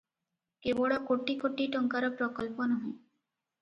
କେବଳ କୋଟି କୋଟି ଟଙ୍କାର ପ୍ରକଳ୍ପ ନୁହେଁ ।